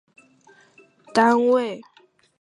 石塘镇是下辖的一个乡镇级行政单位。